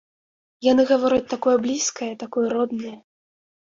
Яны гавораць такое блізкае, такое роднае.